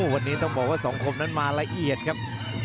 วันนี้ต้องบอกว่าสังคมนั้นมาละเอียดครับ